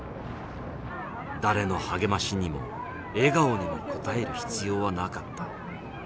誰の励ましにも笑顔にも応える必要はなかった。